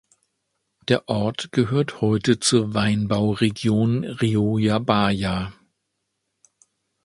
Der Ort gehört heute zur Weinbauregion "Rioja Baja".